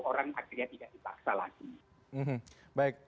orang akhirnya tidak dipaksa lagi